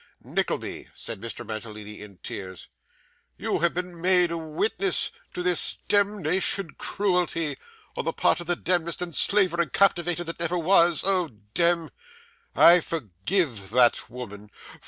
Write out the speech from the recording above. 'Nickleby,' said Mr. Mantalini in tears, 'you have been made a witness to this demnition cruelty, on the part of the demdest enslaver and captivator that never was, oh dem! I forgive that woman.